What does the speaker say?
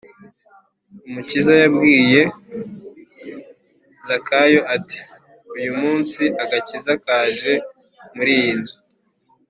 umukiza yabwiye zakayo ati: “uyu munsi agakiza kaje muri iyi nzu